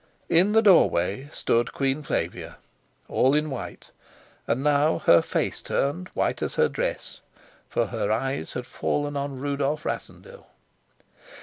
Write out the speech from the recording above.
In the doorway stood Queen Flavia, all in white; and now her face turned white as her dress. For her eyes had fallen on Rudolf Rassendyll.